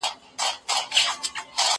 ما د سبا لپاره د سوالونو جواب ورکړی دی!.